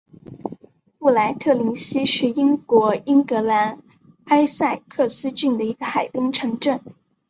布赖特灵西是英国英格兰埃塞克斯郡的一个海滨城镇。